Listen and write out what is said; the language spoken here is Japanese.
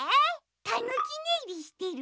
たぬきねいりしてる。